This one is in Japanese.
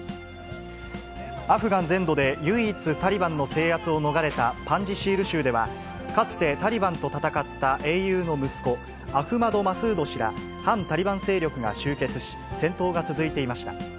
アフガン全土で唯一タリバンの制圧を逃れたパンジシール州では、かつてタリバンと戦った英雄の息子、アフマド・マスード氏ら反タリバン勢力が集結し、戦闘が続いていました。